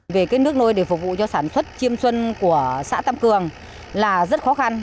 về nước nôi để phục vụ cho sản xuất chiêm xuân của xã tam cường là rất khó khăn